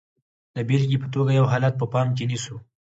د بېلګې په توګه یو حالت په پام کې نیسو.